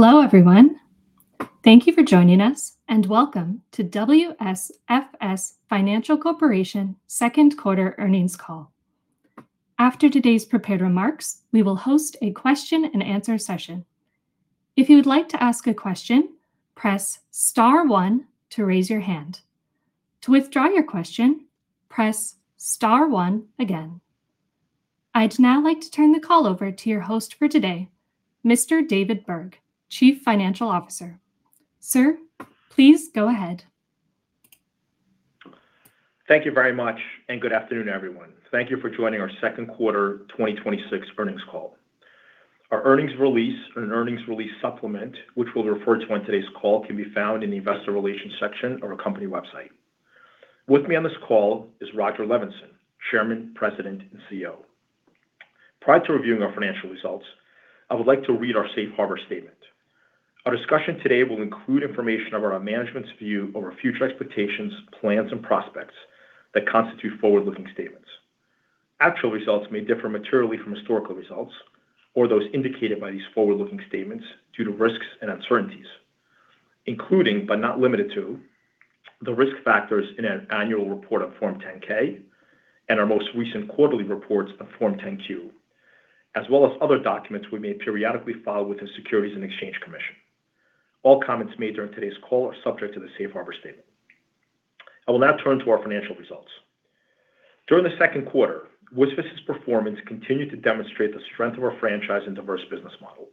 Hello, everyone. Thank you for joining us, and welcome to WSFS Financial Corporation second quarter earnings call. After today's prepared remarks, we will host a question and answer session. If you would like to ask a question, press star one to raise your hand. To withdraw your question, press star one again. I'd now like to turn the call over to your host for today, Mr. David Burg, Chief Financial Officer. Sir, please go ahead. Thank you very much. Good afternoon, everyone. Thank you for joining our second quarter 2026 earnings call. Our earnings release and earnings release supplement, which we'll refer to on today's call, can be found in the investor relations section of our company website. With me on this call is Rodger Levenson, Chairman, President, and CEO. Prior to reviewing our financial results, I would like to read our safe harbor statement. Our discussion today will include information of our management's view of our future expectations, plans, and prospects that constitute forward-looking statements. Actual results may differ materially from historical results or those indicated by these forward-looking statements due to risks and uncertainties, including, but not limited to, the risk factors in an annual report on Form 10-K and our most recent quarterly reports on Form 10-Q, as well as other documents we may periodically file with the Securities and Exchange Commission. All comments made during today's call are subject to the safe harbor statement. I will now turn to our financial results. During the second quarter, WSFS's performance continued to demonstrate the strength of our franchise and diverse business model.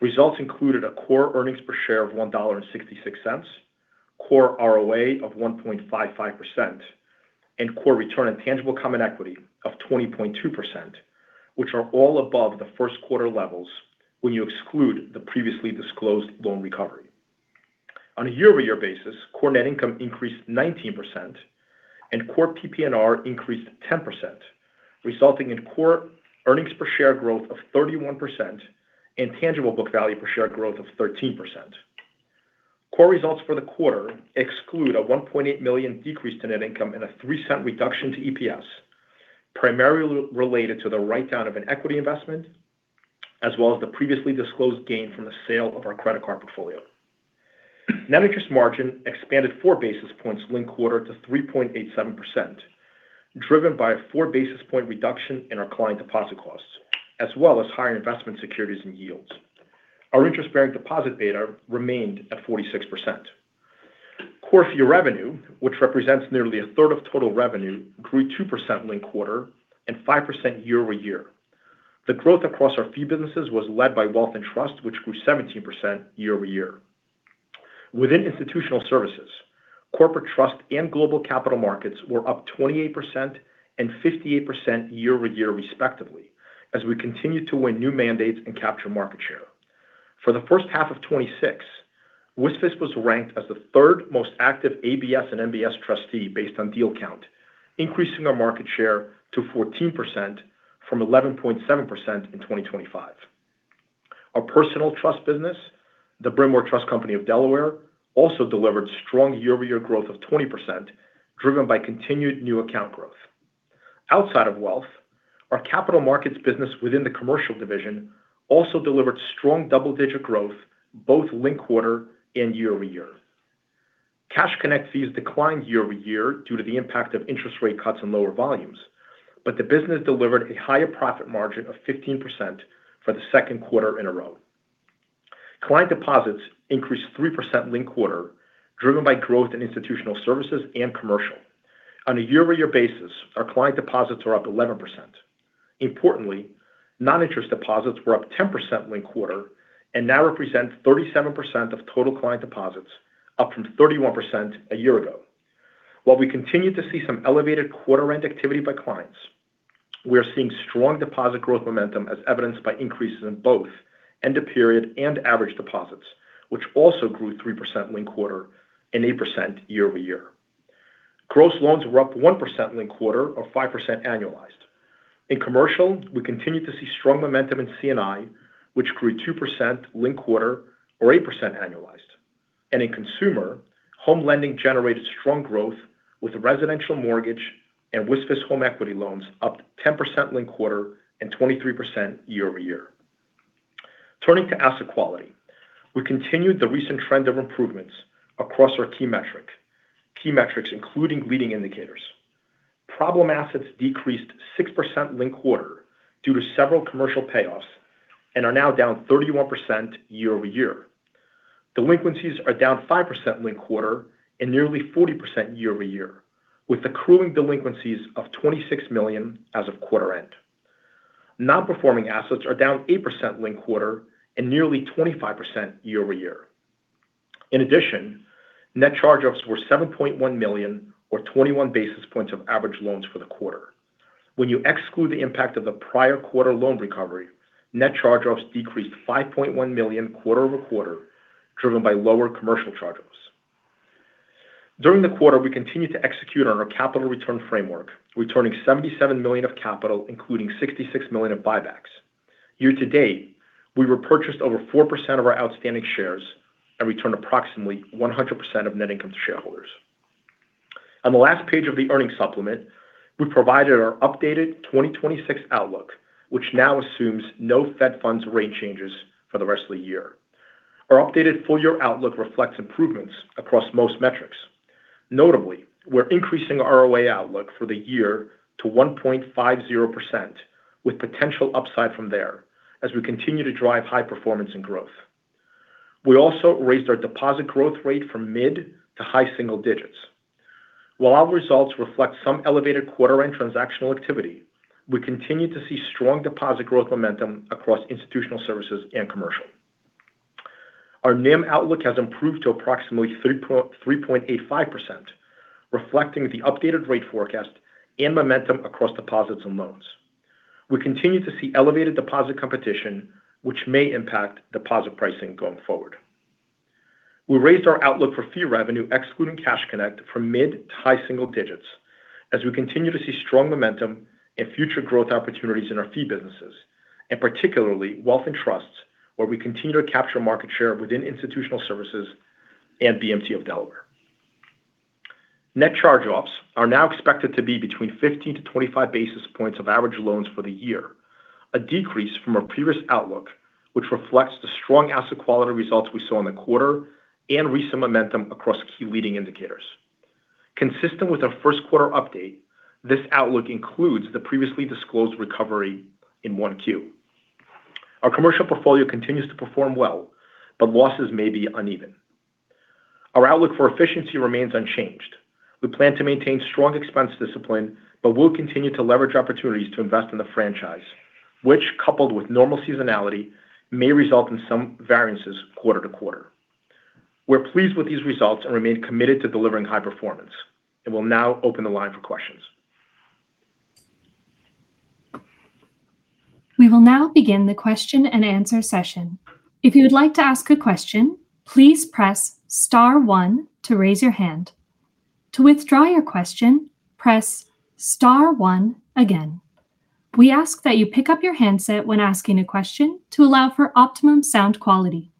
Results included a core earnings per share of $1.66, core ROA of 1.55%, and core return on tangible common equity of 20.2%, which are all above the first quarter levels when you exclude the previously disclosed loan recovery. On a year-over-year basis, core net income increased 19% and core PPNR increased 10%, resulting in core earnings per share growth of 31% and tangible book value per share growth of 13%. Core results for the quarter exclude a $1.8 million decrease to net income and a $0.03 reduction to EPS, primarily related to the write-down of an equity investment, as well as the previously disclosed gain from the sale of our credit card portfolio. Net interest margin expanded four basis points linked quarter to 3.87%, driven by a four basis point reduction in our client deposit costs, as well as higher investment securities and yields. Our interest-bearing deposit beta remained at 46%. Core fee revenue, which represents nearly a third of total revenue, grew 2% linked quarter and 5% year-over-year. The growth across our fee businesses was led by wealth and trust, which grew 17% year-over-year. Within Institutional Services, corporate trust and global capital markets were up 28% and 58% year-over-year respectively as we continued to win new mandates and capture market share. For the first half of 2026, WSFS was ranked as the third most active ABS and MBS trustee based on deal count, increasing our market share to 14% from 11.7% in 2025. Our personal trust business, the Bryn Mawr Trust Company of Delaware, also delivered strong year-over-year growth of 20%, driven by continued new account growth. Outside of wealth, our capital markets business within the commercial division also delivered strong double-digit growth both linked quarter and year-over-year. Cash Connect fees declined year-over-year due to the impact of interest rate cuts and lower volumes, but the business delivered a higher profit margin of 15% for the second quarter in a row. Client deposits increased 3% linked quarter, driven by growth in Institutional Services and commercial. On a year-over-year basis, our client deposits are up 11%. Importantly, non-interest deposits were up 10% linked quarter and now represent 37% of total client deposits, up from 31% a year ago. While we continue to see some elevated quarter-end activity by clients, we are seeing strong deposit growth momentum as evidenced by increases in both end-of-period and average deposits, which also grew 3% linked quarter and 8% year-over-year. Gross loans were up 1% linked quarter or 5% annualized. In commercial, we continued to see strong momentum in C&I, which grew 2% linked quarter or 8% annualized. In consumer, home lending generated strong growth with residential mortgage and WSFS home equity loans up 10% linked quarter and 23% year-over-year. Turning to asset quality, we continued the recent trend of improvements across our key metrics, including leading indicators. Problem assets decreased 6% linked quarter due to several commercial payoffs and are now down 31% year-over-year. Delinquencies are down 5% linked quarter and nearly 40% year-over-year with accruing delinquencies of $26 million as of quarter end. Non-performing assets are down 8% linked quarter and nearly 25% year-over-year. In addition, net charge-offs were $7.1 million or 21 basis points of average loans for the quarter. When you exclude the impact of the prior quarter loan recovery, net charge-offs decreased $5.1 million quarter-over-quarter, driven by lower commercial charge-offs. During the quarter, we continued to execute on our capital return framework, returning $77 million of capital, including $66 million of buybacks. Year-to-date, we repurchased over 4% of our outstanding shares and returned approximately 100% of net income to shareholders. On the last page of the earnings supplement, we provided our updated 2026 outlook, which now assumes no Fed funds rate changes for the rest of the year. Our updated full-year outlook reflects improvements across most metrics. Notably, we're increasing our ROA outlook for the year to 1.50%, with potential upside from there as we continue to drive high performance and growth. We also raised our deposit growth rate from mid to high single digits. While our results reflect some elevated quarter-end transactional activity, we continue to see strong deposit growth momentum across Institutional Services and commercial. Our NIM outlook has improved to approximately 3.85%, reflecting the updated rate forecast and momentum across deposits and loans. We continue to see elevated deposit competition, which may impact deposit pricing going forward. We raised our outlook for fee revenue, excluding Cash Connect, from mid to high single digits as we continue to see strong momentum and future growth opportunities in our fee businesses, and particularly Wealth and Trusts, where we continue to capture market share within Institutional Services and BMC of Delaware. Net charge-offs are now expected to be between 15 to 25 basis points of average loans for the year, a decrease from our previous outlook, which reflects the strong asset quality results we saw in the quarter and recent momentum across key leading indicators. Consistent with our first quarter update, this outlook includes the previously disclosed recovery in 1Q. Our commercial portfolio continues to perform well, but losses may be uneven. Our outlook for efficiency remains unchanged. We plan to maintain strong expense discipline, but we'll continue to leverage opportunities to invest in the franchise, which, coupled with normal seasonality, may result in some variances quarter-to-quarter. We're pleased with these results and remain committed to delivering high performance. We'll now open the line for questions. We will now begin the question and answer session. If you would like to ask a question, please press star one to raise your hand. To withdraw your question, press star one again. We ask that you pick up your handset when asking a question to allow for optimum sound quality.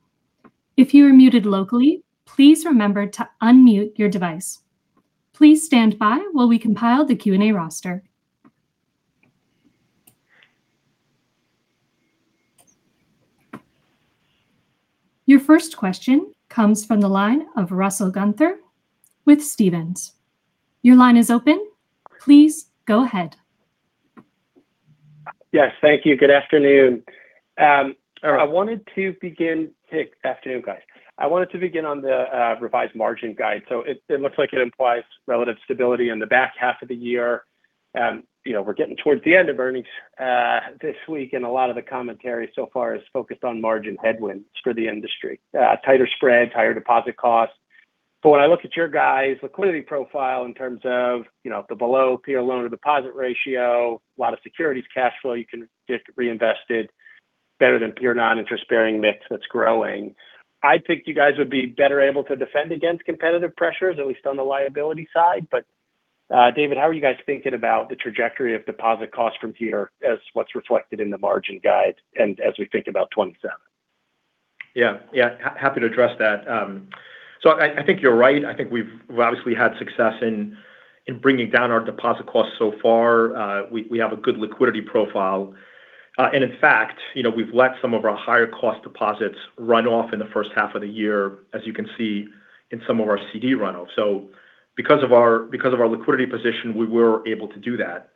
If you are muted locally, please remember to unmute your device. Please stand by while we compile the Q&A roster. Your first question comes from the line of Russell Gunther with Stephens. Your line is open. Please go ahead. Yes. Thank you. Good afternoon. Afternoon. Afternoon, guys. I wanted to begin on the revised margin guide. It looks like it implies relative stability in the back half of the year. We're getting towards the end of earnings this week, and a lot of the commentary so far is focused on margin headwinds for the industry. Tighter spreads, higher deposit costs. When I look at your guys' liquidity profile in terms of the below peer loan-to-deposit ratio, a lot of securities cash flow you can get reinvested better than peer non-interest-bearing mix that's growing. I'd think you guys would be better able to defend against competitive pressures, at least on the liability side. David, how are you guys thinking about the trajectory of deposit costs from here as what's reflected in the margin guide and as we think about 2027? Yeah. Happy to address that. I think you're right. I think we've obviously had success in bringing down our deposit costs so far. We have a good liquidity profile. In fact, we've let some of our higher cost deposits run off in the first half of the year, as you can see in some of our CD run-offs. Because of our liquidity position, we were able to do that.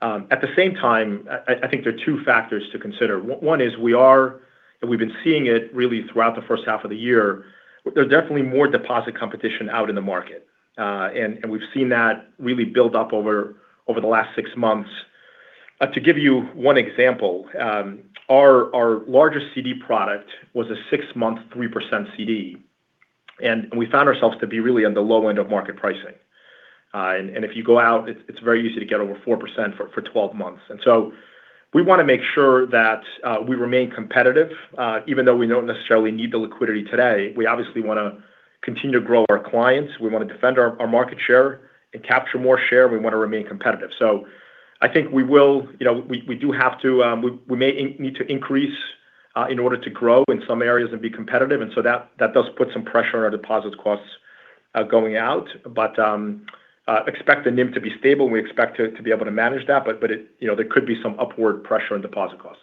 At the same time, I think there are two factors to consider. One is we are, and we've been seeing it really throughout the first half of the year, there's definitely more deposit competition out in the market. We've seen that really build up over the last six months. To give you one example, our largest CD product was a six-month 3% CD, and we found ourselves to be really on the low end of market pricing. If you go out, it's very easy to get over 4% for 12 months. We want to make sure that we remain competitive. Even though we don't necessarily need the liquidity today, we obviously want to continue to grow our clients. We want to defend our market share and capture more share. We want to remain competitive. I think we may need to increase in order to grow in some areas and be competitive, and that does put some pressure on our deposit costs going out. Expect the NIM to be stable. We expect to be able to manage that. There could be some upward pressure on deposit costs.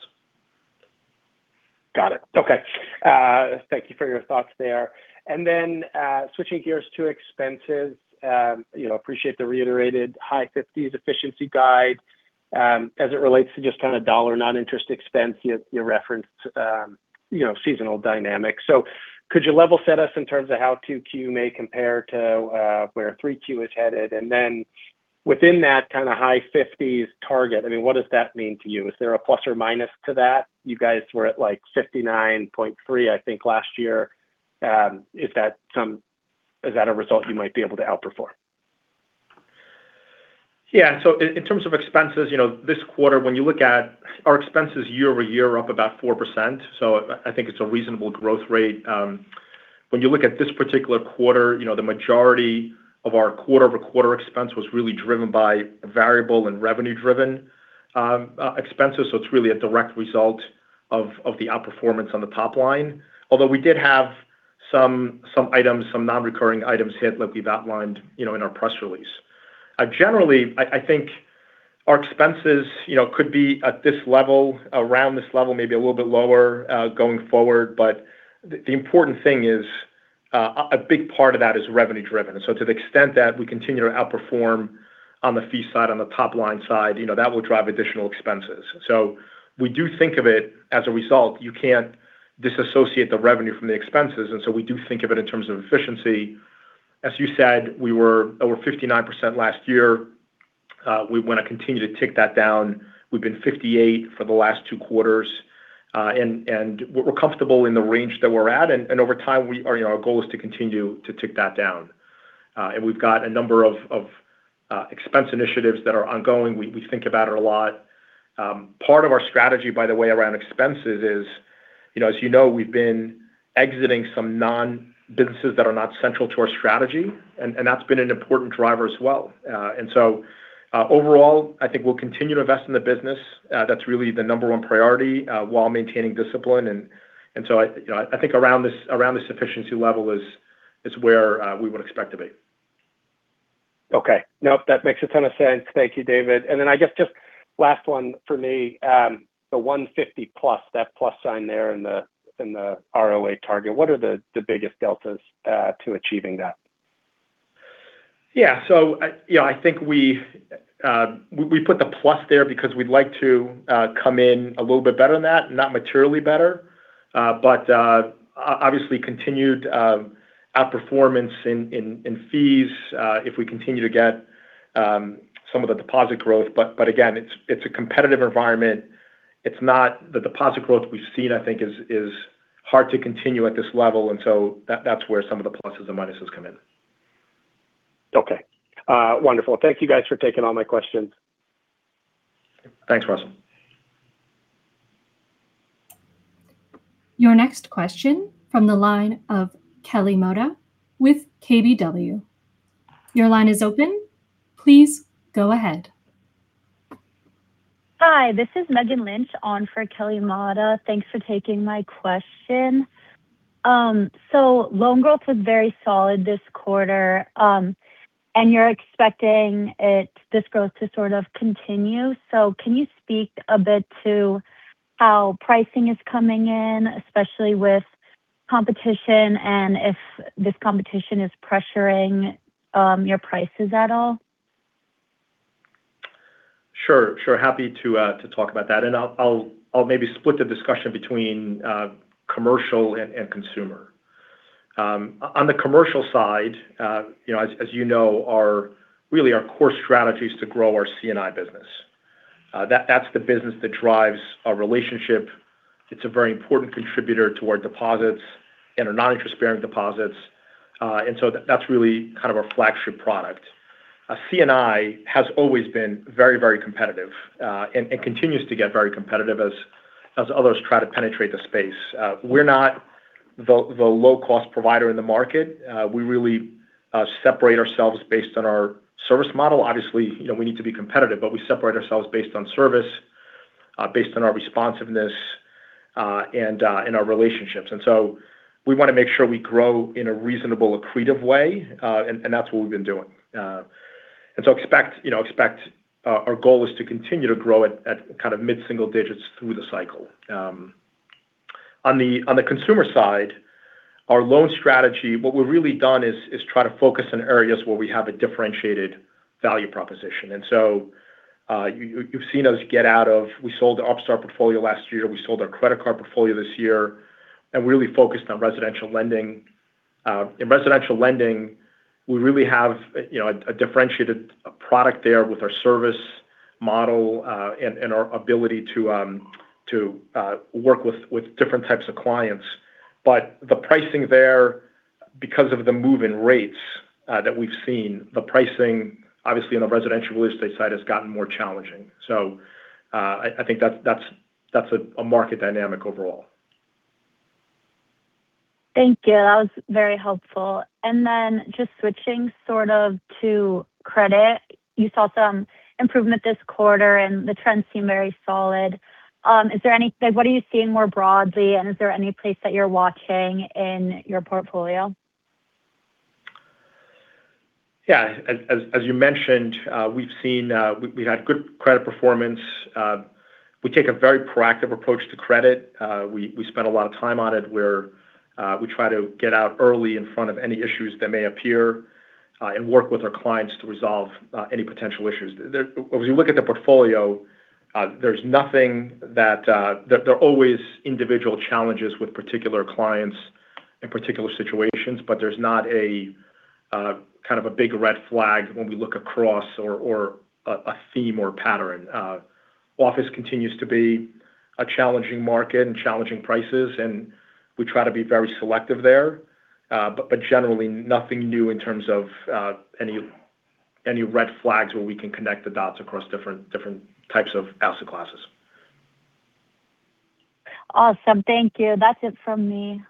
Got it. Okay. Thank you for your thoughts there. Switching gears to expenses. Appreciate the reiterated high 50s efficiency guide. As it relates to just kind of dollar non-interest expense, you referenced seasonal dynamics. Could you level set us in terms of how 2Q may compare to where 3Q is headed? Within that kind of high 50s target, what does that mean to you? Is there a ± to that? You guys were at like 59.3% I think last year. Is that a result you might be able to outperform? In terms of expenses, this quarter when you look at our expenses year-over-year up about 4%, I think it's a reasonable growth rate. When you look at this particular quarter, the majority of our quarter-over-quarter expense was really driven by variable and revenue-driven expenses. It's really a direct result of the outperformance on the top line. Although we did have some non-recurring items hit like we've outlined in our press release. Generally, I think our expenses could be at this level, around this level, maybe a little bit lower going forward. The important thing is a big part of that is revenue driven. To the extent that we continue to outperform on the fee side, on the top line side, that will drive additional expenses. We do think of it as a result. You can't disassociate the revenue from the expenses. We do think of it in terms of efficiency. As you said, we were over 59% last year. We want to continue to tick that down. We've been 58% for the last two quarters. We're comfortable in the range that we're at. Over time, our goal is to continue to tick that down. We've got a number of expense initiatives that are ongoing. We think about it a lot. Part of our strategy, by the way, around expenses is, as you know, we've been exiting some non-businesses that are not central to our strategy, and that's been an important driver as well. Overall, I think we'll continue to invest in the business. That's really the number one priority while maintaining discipline. I think around this efficiency level is where we would expect to be. Okay. Nope, that makes a ton of sense. Thank you, David. I guess just last one for me. The 150+, that plus sign there in the ROA target, what are the biggest deltas to achieving that? Yeah. I think we put the plus there because we'd like to come in a little bit better than that, not materially better. Obviously continued outperformance in fees if we continue to get some of the deposit growth. Again, it's a competitive environment. The deposit growth we've seen, I think is hard to continue at this level. That's where some of the pluses and minuses come in. Okay. Wonderful. Thank you guys for taking all my questions. Thanks, Russell. Your next question from the line of Kelly Motta with KBW. Your line is open. Please go ahead. Hi, this is Meghan Lynch on for Kelly Motta. Thanks for taking my question. Loan growth was very solid this quarter, and you're expecting this growth to sort of continue. Can you speak a bit to how pricing is coming in, especially with competition, and if this competition is pressuring your prices at all? Sure. Happy to talk about that. I'll maybe split the discussion between commercial and consumer. On the commercial side, as you know, really our core strategy is to grow our C&I business. That's the business that drives our relationship. It's a very important contributor to our deposits and our non-interest-bearing deposits. That's really kind of our flagship product. C&I has always been very competitive, and continues to get very competitive as others try to penetrate the space. We're not the low-cost provider in the market. We really separate ourselves based on our service model. Obviously, we need to be competitive, but we separate ourselves based on service, based on our responsiveness, and our relationships. We want to make sure we grow in a reasonable, accretive way, and that's what we've been doing. Expect our goal is to continue to grow at mid-single digits through the cycle. On the consumer side, our loan strategy, what we've really done is try to focus on areas where we have a differentiated value proposition. You've seen us, we sold our Upstart portfolio last year. We sold our credit card portfolio this year, and really focused on residential lending. In residential lending, we really have a differentiated product there with our service model and our ability to work with different types of clients. The pricing there because of the move in rates that we've seen, the pricing obviously on the residential real estate side has gotten more challenging. I think that's a market dynamic overall. Thank you. That was very helpful. Just switching sort of to credit. You saw some improvement this quarter and the trends seem very solid. What are you seeing more broadly, and is there any place that you're watching in your portfolio? Yeah. As you mentioned, we've had good credit performance. We take a very proactive approach to credit. We spend a lot of time on it where we try to get out early in front of any issues that may appear, and work with our clients to resolve any potential issues. If you look at the portfolio, there are always individual challenges with particular clients and particular situations, but there's not a kind of a big red flag when we look across or a theme or pattern. Office continues to be a challenging market and challenging prices, and we try to be very selective there. Generally nothing new in terms of any red flags where we can connect the dots across different types of asset classes. Awesome. Thank you. That's it from me.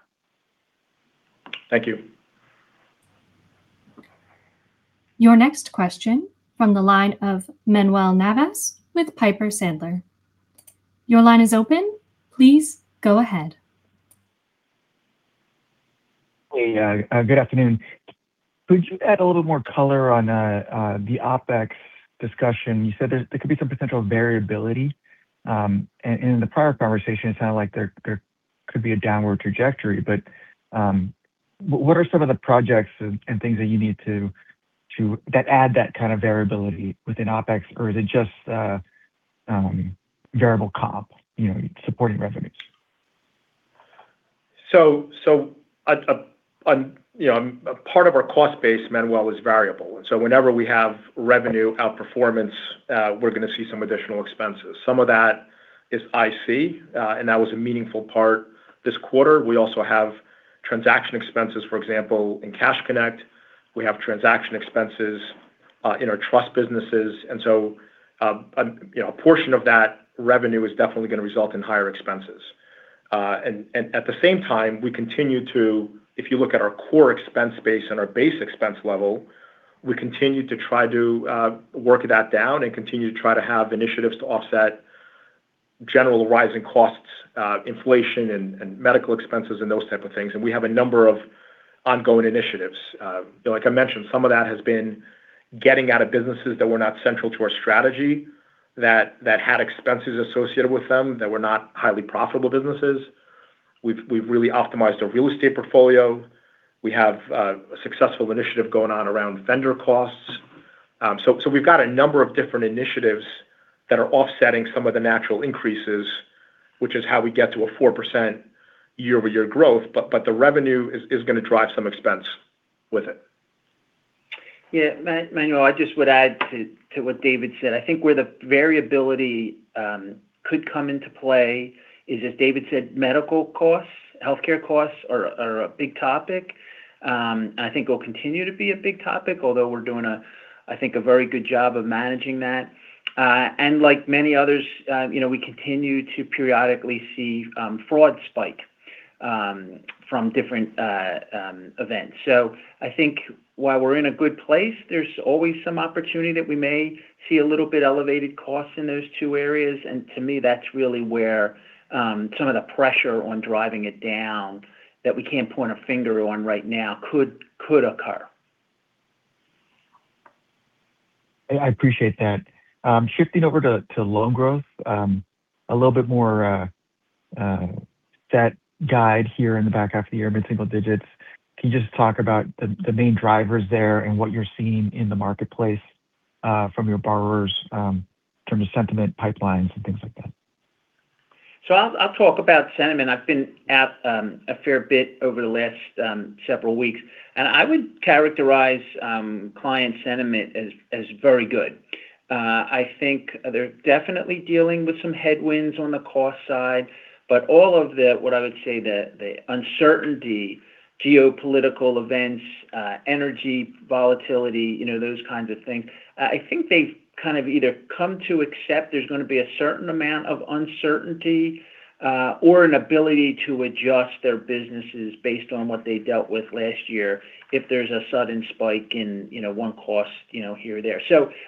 Thank you. Your next question from the line of Manuel Navas with Piper Sandler. Your line is open. Please go ahead. Hey, good afternoon. Could you add a little bit more color on the OpEx discussion? You said there could be some potential variability. In the prior conversation, it sounded like there could be a downward trajectory. What are some of the projects and things that add that kind of variability within OpEx? Is it just variable comp supporting revenues? Part of our cost base, Manuel, is variable. Whenever we have revenue outperformance, we're going to see some additional expenses. Some of that is IC, and that was a meaningful part this quarter. We also have transaction expenses, for example, in Cash Connect. We have transaction expenses in our trust businesses. A portion of that revenue is definitely going to result in higher expenses. At the same time, we continue to, if you look at our core expense base and our base expense level, we continue to try to work that down and continue to try to have initiatives to offset general rising costs, inflation and medical expenses and those type of things. We have a number of ongoing initiatives. Like I mentioned, some of that has been getting out of businesses that were not central to our strategy, that had expenses associated with them, that were not highly profitable businesses. We've really optimized our real estate portfolio. We have a successful initiative going on around vendor costs. We've got a number of different initiatives that are offsetting some of the natural increases, which is how we get to a 4% year-over-year growth. The revenue is going to drive some expense with it. Manuel, I just would add to what David said. I think where the variability could come into play is, as David said, medical costs, healthcare costs are a big topic. I think will continue to be a big topic, although we're doing, I think, a very good job of managing that. Like many others we continue to periodically see fraud spike from different events. I think while we're in a good place, there's always some opportunity that we may see a little bit elevated costs in those two areas. To me, that's really where some of the pressure on driving it down that we can't point a finger on right now could occur. I appreciate that. Shifting over to loan growth. A little bit more set guide here in the back half of the year, mid-single digits. Can you just talk about the main drivers there and what you're seeing in the marketplace from your borrowers from a sentiment pipelines and things like that? I'll talk about sentiment. I've been out a fair bit over the last several weeks. I would characterize client sentiment as very good. I think they're definitely dealing with some headwinds on the cost side. All of the, what I would say, the uncertainty, geopolitical events, energy volatility, those kinds of things. I think they've kind of either come to accept there's going to be a certain amount of uncertainty or an ability to adjust their businesses based on what they dealt with last year if there's a sudden spike in one cost here or there.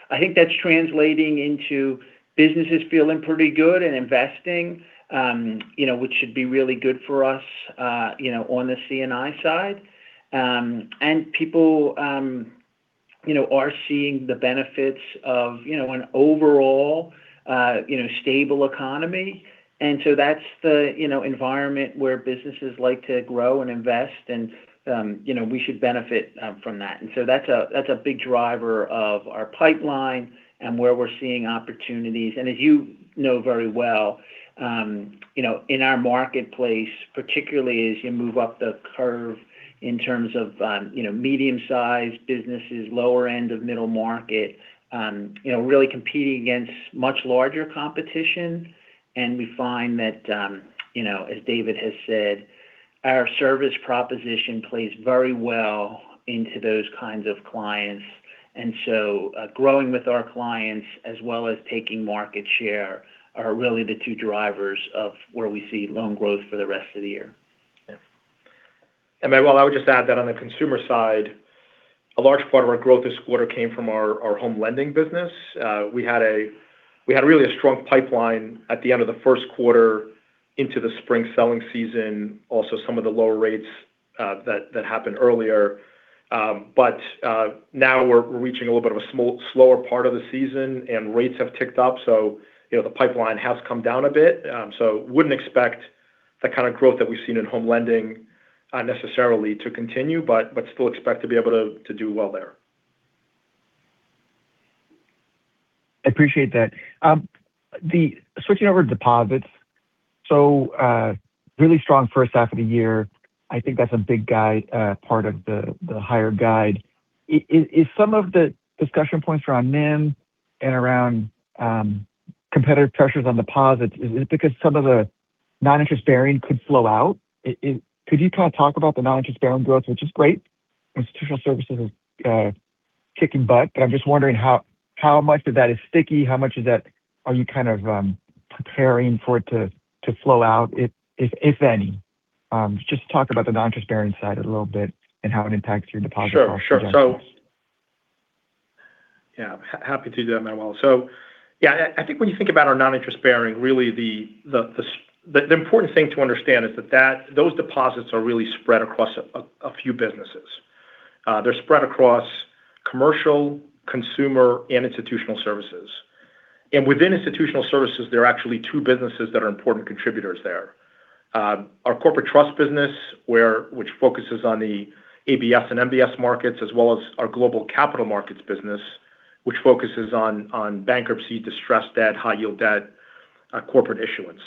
I think that's translating into businesses feeling pretty good and investing which should be really good for us on the C&I side. People are seeing the benefits of an overall stable economy. That's the environment where businesses like to grow and invest, and we should benefit from that. That's a big driver of our pipeline and where we're seeing opportunities. As you know very well in our marketplace, particularly as you move up the curve in terms of medium-sized businesses, lower end of middle market really competing against much larger competition. We find that, as David has said, our service proposition plays very well into those kinds of clients. Growing with our clients as well as taking market share are really the two drivers of where we see loan growth for the rest of the year. Manuel, I would just add that on the consumer side, a large part of our growth this quarter came from our home lending business. We had really a strong pipeline at the end of the first quarter into the spring selling season, also some of the lower rates that happened earlier. Now we're reaching a little bit of a slower part of the season, and rates have ticked up. The pipeline has come down a bit. Wouldn't expect the kind of growth that we've seen in home lending necessarily to continue, but still expect to be able to do well there. I appreciate that. Switching over to deposits. Really strong first half of the year. I think that's a big part of the higher guide. Is some of the discussion points around NIM and around competitive pressures on deposits, is it because some of the non-interest bearing could flow out? Could you kind of talk about the non-interest bearing growth? Which is great. Institutional Services has kicking butt. I'm just wondering how much of that is sticky? How much of that are you kind of preparing for it to flow out, if any? Just talk about the non-interest bearing side a little bit and how it impacts your deposit costs. Sure. Happy to do that, Manuel. I think when you think about our non-interest bearing, really the important thing to understand is that those deposits are really spread across a few businesses. They're spread across commercial, consumer, and Institutional Services. Within Institutional Services, there are actually two businesses that are important contributors there. Our corporate trust business which focuses on the ABS and MBS markets, as well as our global capital markets business, which focuses on bankruptcy, distressed debt, high yield debt, corporate issuance.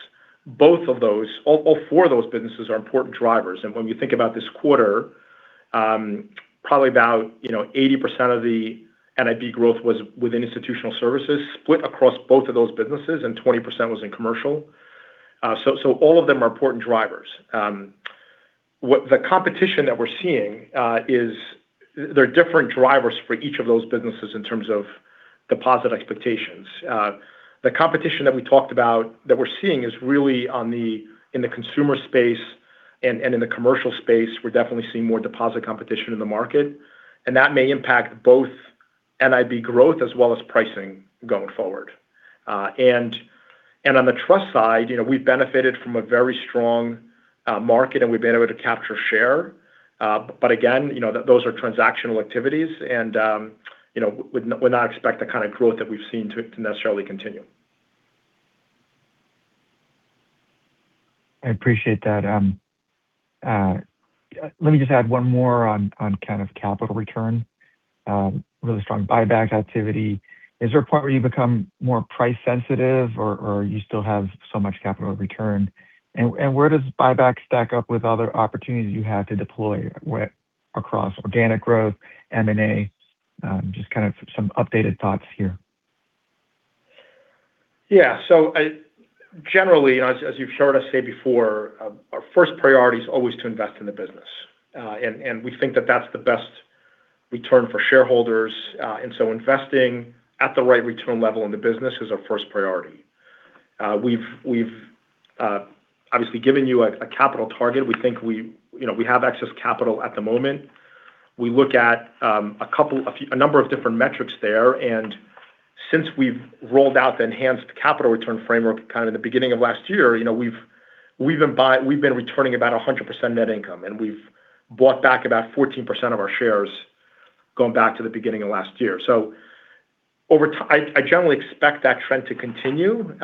All four of those businesses are important drivers. When we think about this quarter, probably about 80% of the NIB growth was within Institutional Services, split across both of those businesses, and 20% was in commercial. All of them are important drivers. The competition that we're seeing is there are different drivers for each of those businesses in terms of deposit expectations. The competition that we talked about, that we're seeing is really in the consumer space and in the commercial space. We're definitely seeing more deposit competition in the market, and that may impact both NIB growth as well as pricing going forward. On the trust side, we've benefited from a very strong market, and we've been able to capture share. Again, those are transactional activities and we would not expect the kind of growth that we've seen to necessarily continue. I appreciate that. Let me just add one more on kind of capital return. Really strong buyback activity. Is there a point where you become more price sensitive or you still have so much capital to return? Where does buyback stack up with other opportunities you have to deploy across organic growth, M&A? Just kind of some updated thoughts here. Yeah. Generally, as you've heard us say before, our first priority is always to invest in the business. We think that that's the best return for shareholders. Investing at the right return level in the business is our first priority. We've obviously given you a capital target. We think we have excess capital at the moment. We look at a number of different metrics there, since we've rolled out the enhanced capital return framework kind of the beginning of last year, we've been returning about 100% net income, and we've bought back about 14% of our shares going back to the beginning of last year. I generally expect that trend to continue.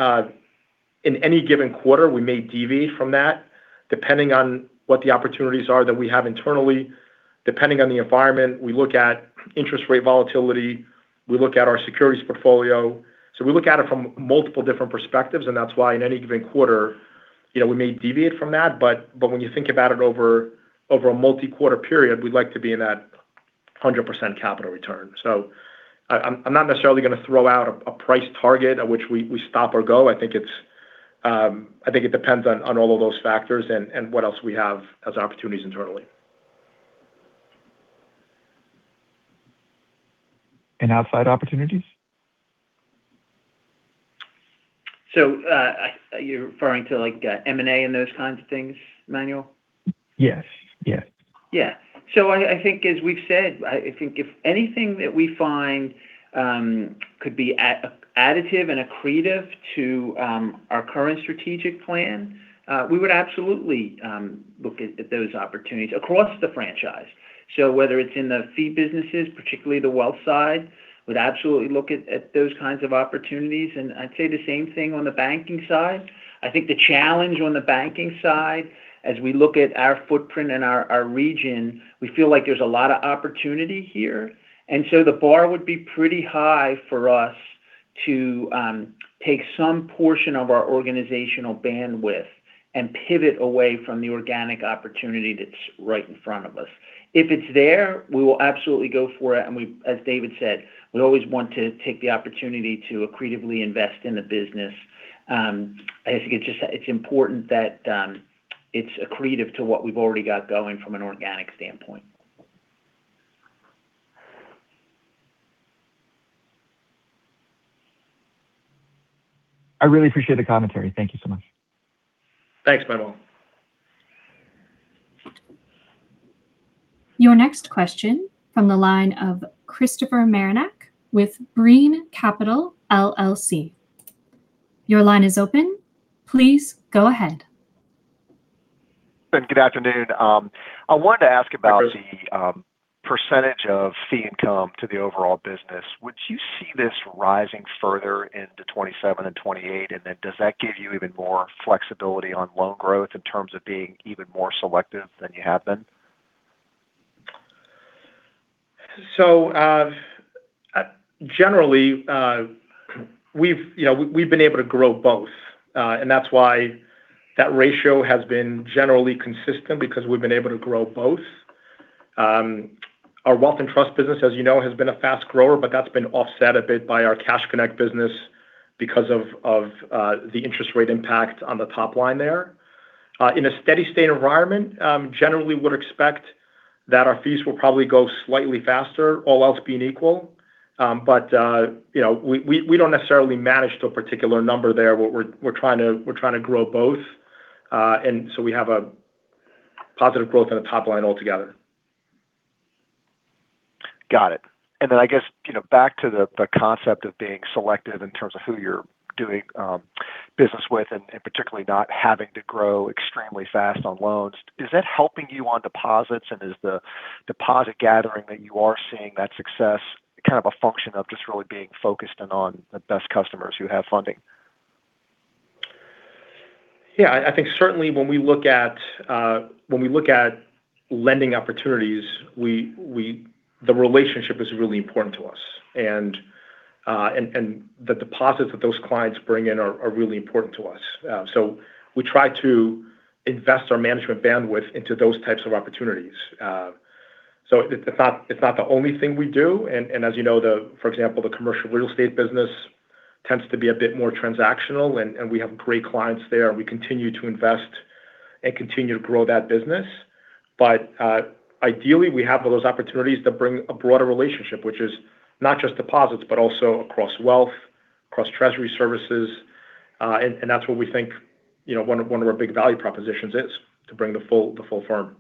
In any given quarter, we may deviate from that depending on what the opportunities are that we have internally, depending on the environment. We look at interest rate volatility. We look at our securities portfolio. We look at it from multiple different perspectives, and that's why in any given quarter, we may deviate from that. When you think about it over a multi-quarter period, we'd like to be in that 100% capital return. I'm not necessarily going to throw out a price target at which we stop or go. I think it depends on all of those factors and what else we have as opportunities internally. Outside opportunities? Are you referring to like M&A and those kinds of things, Manuel? Yes. Yeah. I think as we've said, I think if anything that we find could be additive and accretive to our current strategic plan, we would absolutely look at those opportunities across the franchise. Whether it's in the fee businesses, particularly the wealth side, would absolutely look at those kinds of opportunities. I'd say the same thing on the banking side. I think the challenge on the banking side, as we look at our footprint and our region, we feel like there's a lot of opportunity here. The bar would be pretty high for us to take some portion of our organizational bandwidth and pivot away from the organic opportunity that's right in front of us. If it's there, we will absolutely go for it, and as David said, we always want to take the opportunity to accretively invest in the business. I think it's important that it's accretive to what we've already got going from an organic standpoint. I really appreciate the commentary. Thank you so much. Thanks, Manuel. Your next question from the line of Christopher Marinac with Brean Capital LLC. Your line is open. Please go ahead. Good afternoon. I wanted to ask about the percentage of fee income to the overall business. Would you see this rising further into 2027 and 2028? Does that give you even more flexibility on loan growth in terms of being even more selective than you have been? Generally, we've been able to grow both. That's why that ratio has been generally consistent because we've been able to grow both. Our wealth and trust business, as you know, has been a fast grower, but that's been offset a bit by our Cash Connect business because of the interest rate impact on the top line there. In a steady state environment, generally would expect that our fees will probably go slightly faster, all else being equal. We don't necessarily manage to a particular number there. We're trying to grow both, and so we have a positive growth in the top line altogether. Got it. Then I guess back to the concept of being selective in terms of who you're doing business with, particularly not having to grow extremely fast on loans. Is that helping you on deposits, and is the deposit gathering that you are seeing that success kind of a function of just really being focused in on the best customers who have funding? Yeah. I think certainly when we look at lending opportunities, the relationship is really important to us. The deposits that those clients bring in are really important to us. We try to invest our management bandwidth into those types of opportunities. It's not the only thing we do. As you know, for example, the commercial real estate business tends to be a bit more transactional, and we have great clients there, and we continue to invest and continue to grow that business. Ideally we have those opportunities that bring a broader relationship which is not just deposits but also across wealth, across treasury services. That's what we think one of our big value propositions is, to bring the full firm.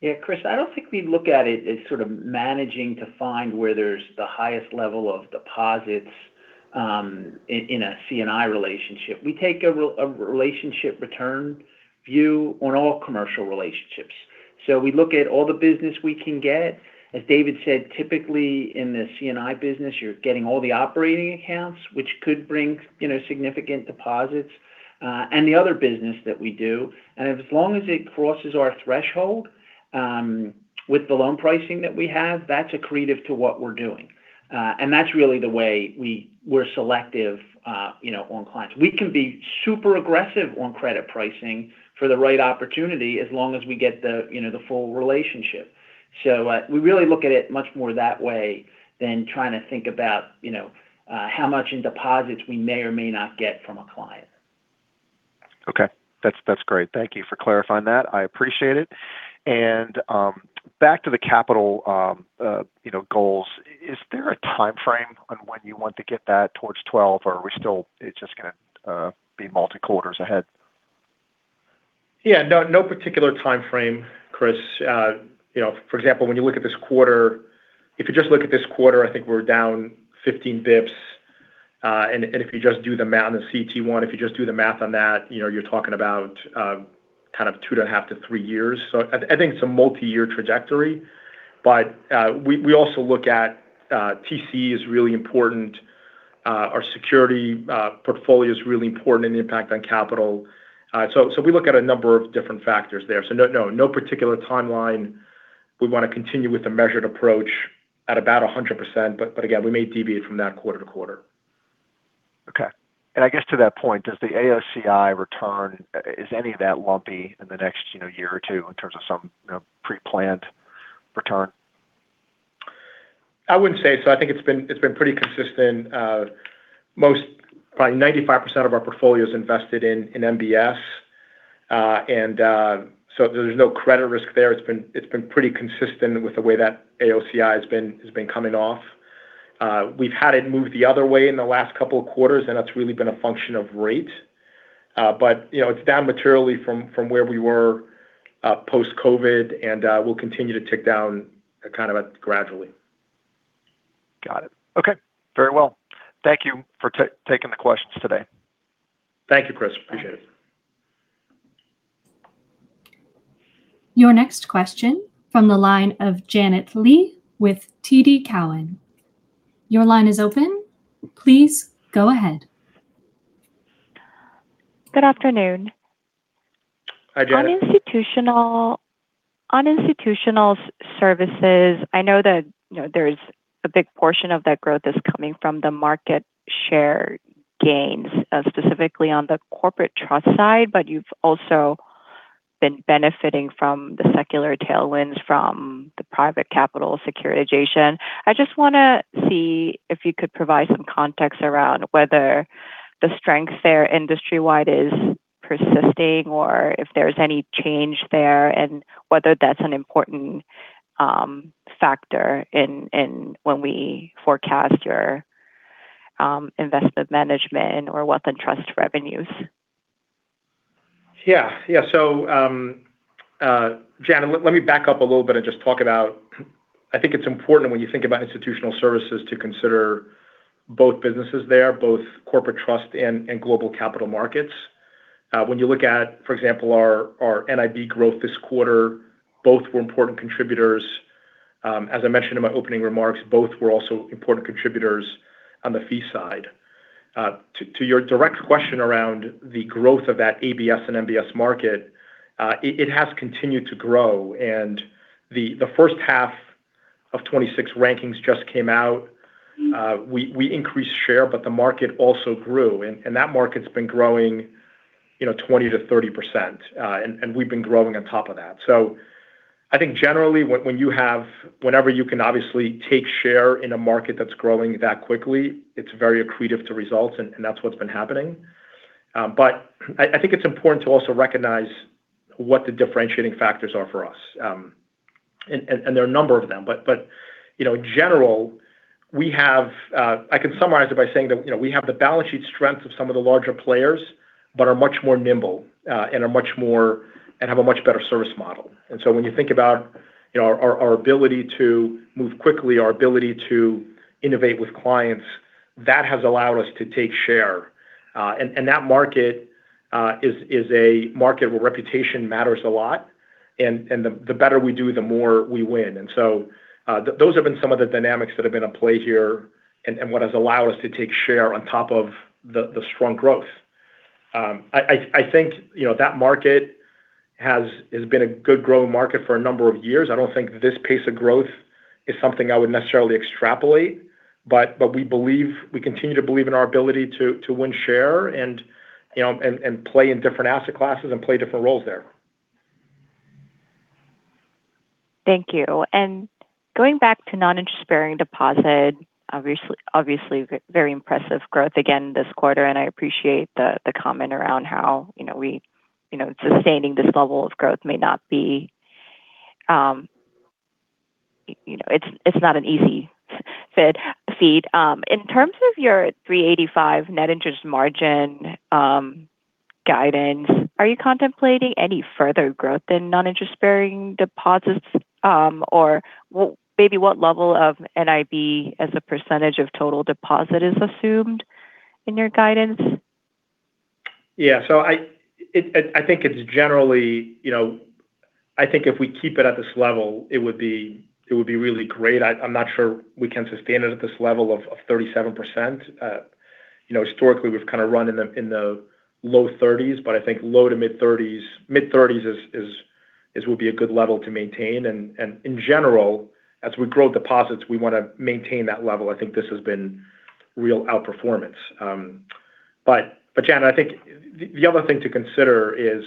Yeah, Chris, I don't think we look at it as sort of managing to find where there's the highest level of deposits in a C&I relationship. We take a relationship return view on all commercial relationships. We look at all the business we can get. As David said, typically in the C&I business, you're getting all the operating accounts, which could bring significant deposits, and the other business that we do. As long as it crosses our threshold with the loan pricing that we have, that's accretive to what we're doing. That's really the way we're selective on clients. We can be super aggressive on credit pricing for the right opportunity as long as we get the full relationship. We really look at it much more that way than trying to think about how much in deposits we may or may not get from a client. Okay. That's great. Thank you for clarifying that. I appreciate it. Back to the capital goals. Is there a timeframe on when you want to get that towards 12, or are we still, it's just going to be multi quarters ahead? Yeah. No particular timeframe, Christopher. For example, when you look at this quarter, if you just look at this quarter, I think we're down 15 basis points. If you just do the math on CET1, if you just do the math on that, you're talking about kind of two and a half to three years. I think it's a multi-year trajectory. We also look at TCE is really important. Our security portfolio is really important in the impact on capital. We look at a number of different factors there. No particular timeline. We want to continue with a measured approach at about 100%, again, we may deviate from that quarter-to-quarter. Okay. I guess to that point, does the AOCI return, is any of that lumpy in the next year or two in terms of some preplanned return? I wouldn't say so. I think it's been pretty consistent. Probably 95% of our portfolio's invested in MBS. There's no credit risk there. It's been pretty consistent with the way that AOCI has been coming off. We've had it move the other way in the last couple of quarters, that's really been a function of rate. It's down materially from where we were post-COVID, will continue to tick down kind of gradually. Got it. Okay. Very well. Thank you for taking the questions today. Thank you, Chris. Appreciate it. Your next question from the line of Janet Lee with TD Cowen. Your line is open. Please go ahead. Good afternoon. Hi, Janet. On Institutional Services, I know that there's a big portion of that growth is coming from the market share gains, specifically on the Corporate Trust side. You've also been benefiting from the secular tailwinds from the private capital securitization. I just want to see if you could provide some context around whether the strength there industry-wide is persisting or if there's any change there, and whether that's an important factor when we forecast your investment management or wealth and trust revenues? Yeah. Janet, let me back up a little bit and just talk about, I think it's important when you think about Institutional Services to consider both businesses there, both Corporate Trust and Global Capital Markets. When you look at, for example, our NIB growth this quarter, both were important contributors. As I mentioned in my opening remarks, both were also important contributors on the fee side. To your direct question around the growth of that ABS and MBS market, it has continued to grow, and the first half of 2026 rankings just came out. We increased share, but the market also grew, and that market's been growing 20%-30%, and we've been growing on top of that. I think generally, whenever you can obviously take share in a market that's growing that quickly, it's very accretive to results, and that's what's been happening. I think it's important to also recognize what the differentiating factors are for us. There are a number of them. In general, I can summarize it by saying that we have the balance sheet strength of some of the larger players, but are much more nimble, and have a much better service model. When you think about our ability to move quickly, our ability to innovate with clients, that has allowed us to take share. That market is a market where reputation matters a lot, and the better we do, the more we win. Those have been some of the dynamics that have been at play here and what has allowed us to take share on top of the strong growth. I think that market has been a good growing market for a number of years. I don't think this pace of growth is something I would necessarily extrapolate, but we continue to believe in our ability to win share and play in different asset classes and play different roles there. Thank you. Going back to non-interest-bearing deposits, obviously very impressive growth again this quarter, I appreciate the comment around how sustaining this level of growth may not be an easy feat. In terms of your 3.85% net interest margin guidance, are you contemplating any further growth in non-interest-bearing deposits? Or maybe what level of NIB as a percentage of total deposits is assumed in your guidance? Yeah. I think if we keep it at this level, it would be really great. I'm not sure we can sustain it at this level of 37%. Historically, we've kind of run in the low 30s, but I think low to mid 30s will be a good level to maintain. In general, as we grow deposits, we want to maintain that level. I think this has been real outperformance. But Janet, I think the other thing to consider is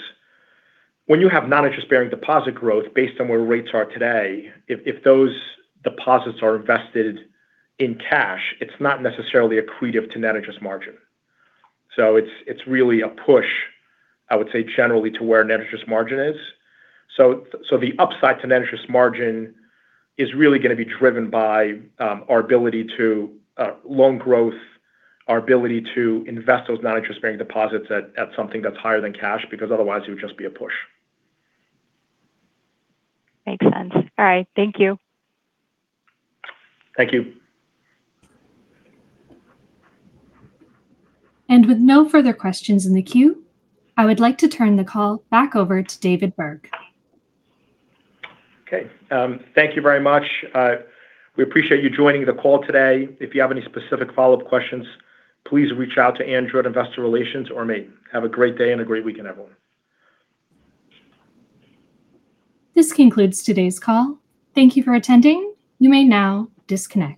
when you have non-interest-bearing deposit growth based on where rates are today, if those deposits are invested in cash, it's not necessarily accretive to net interest margin. It's really a push, I would say, generally to where net interest margin is. The upside to net interest margin is really going to be driven by loan growth, our ability to invest those non-interest-bearing deposits at something that's higher than cash, because otherwise it would just be a push. Makes sense. All right. Thank you. Thank you. With no further questions in the queue, I would like to turn the call back over to David Burg. Okay. Thank you very much. We appreciate you joining the call today. If you have any specific follow-up questions, please reach out to Andrew in Investor Relations or me. Have a great day and a great weekend, everyone. This concludes today's call. Thank you for attending. You may now disconnect.